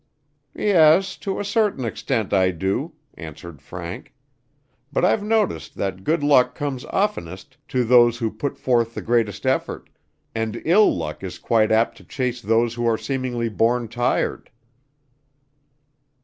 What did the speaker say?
"Yes, to a certain extent I do," answered Frank. "But I've noticed that good luck comes oftenest to those who put forth the greatest effort, and ill luck is quite apt to chase those who are seemingly born tired."